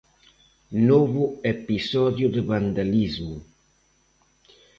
Novo episodio de vandalismo.